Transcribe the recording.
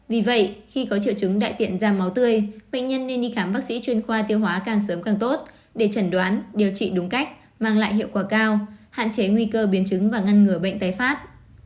vì vậy khi có triệu chứng đại tiện ra máu tươi bệnh nhân nên đi khám bác sĩ chuyên khoa tiêu hóa càng sớm càng tốt để chẩn đoán điều trị đúng cách mang lại hiệu quả cao hạn chế nguy cơ biến chứng và ngăn ngừa bệnh tái phát